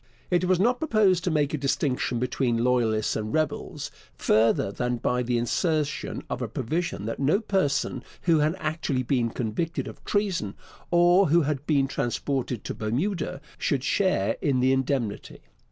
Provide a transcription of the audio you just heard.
It was not proposed to make a distinction between loyalists and rebels, further than by the insertion of a provision that no person who had actually been convicted of treason, or who had been transported to Bermuda, should share in the indemnity.